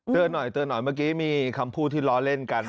หน่อยเตือนหน่อยเมื่อกี้มีคำพูดที่ล้อเล่นกัน